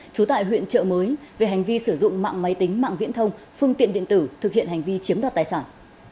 trú tại huyện trợ mới về hành vi sử dụng mạng máy tính mạng viễn thông phương tiện điện tử thực hiện hành vi chiếm đoạt tài sản